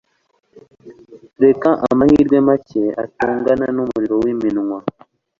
Reka amahirwe make atongana numuriro wiminwa